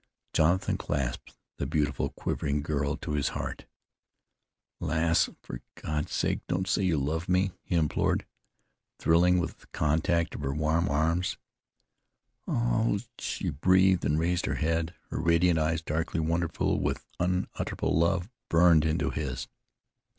Jonathan clasped the beautiful, quivering girl to his heart. "Lass, for God's sake don't say you love me," he implored, thrilling with contact of her warm arms. "Ah!" she breathed, and raised her head. Her radiant eyes darkly wonderful with unutterable love, burned into his.